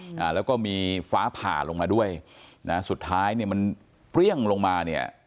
อ่าแล้วก็มีฟ้าผ่าลงมาด้วยนะสุดท้ายเนี่ยมันเปรี้ยงลงมาเนี่ย